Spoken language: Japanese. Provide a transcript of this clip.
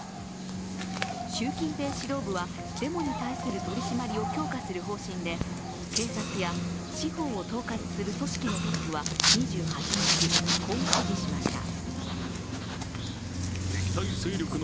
習近平指導部はデモに対する取り締まりを強化する方針で警察や司法を統括する組織のトップは２８日、こう指示しました。